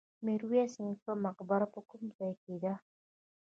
میرویس نیکه مقبره په کوم ځای کې ده؟